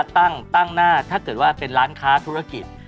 ตั้งหน้าถ้าเกิดว่าเป็นร้านค้าธุรกิจ